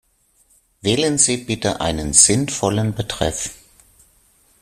Wählen Sie bitte einen sinnvollen Betreff.